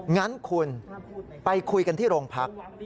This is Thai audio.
งั้นคุณไปคุยกันที่โรงพัก